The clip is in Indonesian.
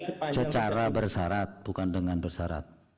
secara bersarat bukan dengan bersyarat